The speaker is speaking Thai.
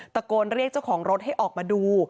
ตะโกนเรียกเจ้าของรถให้ออกมาดู